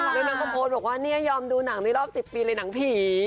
แล้วนางก็โพสต์บอกว่าเนี่ยยอมดูหนังในรอบ๑๐ปีเลยหนังผี